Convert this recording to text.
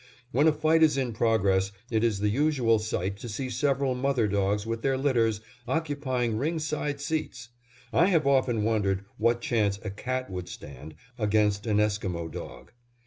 When a fight is in progress, it is the usual sight to see several mother dogs, with their litters, occupying ring side seats. I have often wondered what chance a cat would stand against an Esquimo dog.